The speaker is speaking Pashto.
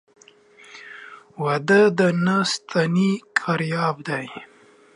واده د نه ستني کرياب دى.